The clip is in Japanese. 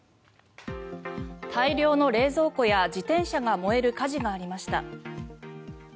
大量の冷蔵庫や自転車などが燃える火事がありました。